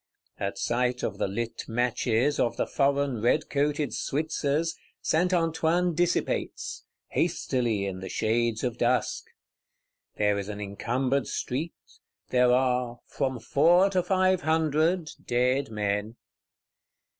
At sight of the lit matches, of the foreign red coated Switzers, Saint Antoine dissipates; hastily, in the shades of dusk. There is an encumbered street; there are "from four to five hundred" dead men.